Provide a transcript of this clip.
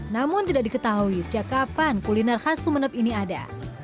namun tidak diketahui sejak kapan kuliner khas sumeneb ini ada